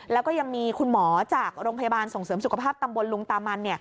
แล้วก็ยังมีคุณหมอจากโรงพยาบาลส่งเสริมสุขภาพตำบลลุงตามัน